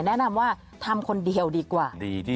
แนะนำว่าทำคนเดียวดีกว่า